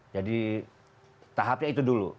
jadi tahapnya itu dulu